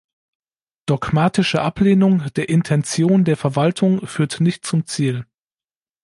Dogmatische Ablehnung der Intention der Verwaltung führt nicht zum Ziel.